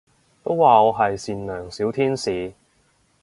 都話我係善良小天使